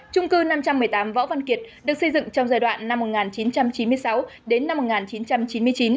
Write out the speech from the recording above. trung cư năm trăm một mươi tám võ văn kiệt được xây dựng trong giai đoạn năm một nghìn chín trăm chín mươi sáu đến năm một nghìn chín trăm chín mươi chín